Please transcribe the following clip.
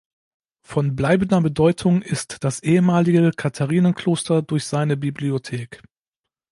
Von bleibender Bedeutung ist das ehemalige Katharinenkloster durch seine Bibliothek.